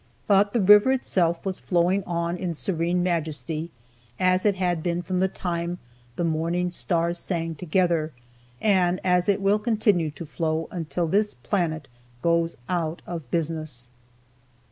But the river itself was flowing on in serene majesty, as it had been from the time "the morning stars sang together," and as it will continue to flow until this planet goes out of business.